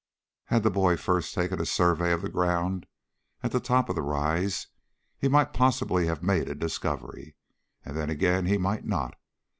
Had the boy first taken a survey of the ground at the top of the rise, he might possibly have made a discovery, and then again he might not.